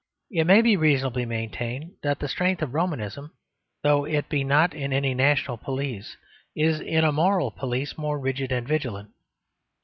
It may be reasonably maintained that the strength of Romanism, though it be not in any national police, is in a moral police more rigid and vigilant.